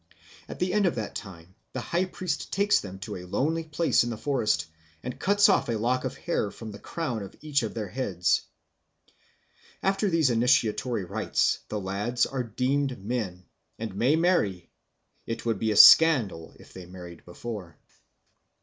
At the end of that time the high priest takes them to a lonely place in the forest, and cuts off a lock of hair from the crown of each of their heads. After these initiatory rites the lads are deemed men, and may marry; it would be a scandal if they married before.